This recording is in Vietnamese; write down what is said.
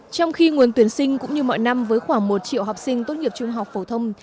trong khi nguồn tuyển sinh cũng như mọi năm với khoảng một triệu học sinh tốt nghiệp trung học phổ thông